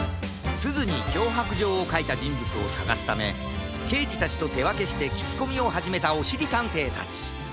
すずにきょうはくじょうをかいたじんぶつをさがすためけいじたちとてわけしてききこみをはじめたおしりたんていたち